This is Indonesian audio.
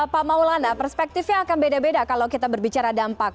pak maulana perspektifnya akan beda beda kalau kita berbicara dampak